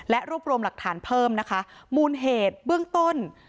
และรวบรวมหลักฐานเพิ่มนะคะมูลเหตุเบื้องต้น